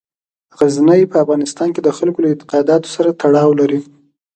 غزني په افغانستان کې د خلکو له اعتقاداتو سره تړاو لري.